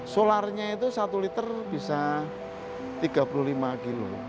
solarnya itu satu liter bisa tiga puluh lima kilo